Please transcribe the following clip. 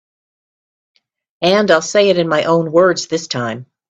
And I'll say it in my own words this time.